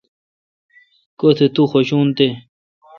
کتہ تو خوشون تہ۔